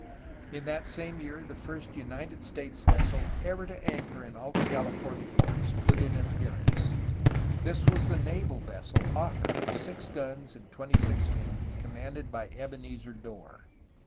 In that same year the first United States vessel ever to anchor in Alta California ports put in an appearance. This was the naval vessel Ottery of six guns and twenty six men, com manded by Ebenezer Dorr.